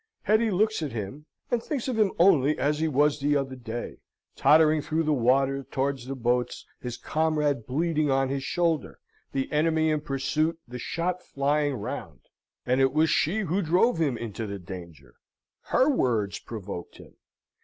Hetty looks at him, and thinks of him only as he was the other day, tottering through the water towards the boats, his comrade bleeding on his shoulder, the enemy in pursuit, the shot flying round. And it was she who drove him into the danger! Her words provoked him.